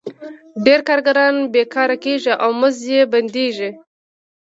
ډېر کارګران بېکاره کېږي او مزد یې بندېږي